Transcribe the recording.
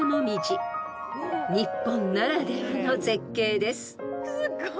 ［日本ならではの絶景です］